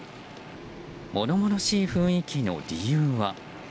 物々しい雰囲気の理由は。